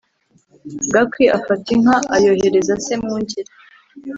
Gakwi afata inka ayoherereza se Mwungeli